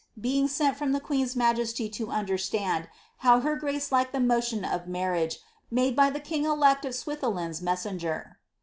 being sent from the queen's majesty to understand how her grace liked of the motion of marriage, made by ihe king elect of Swetheland's messenger.'"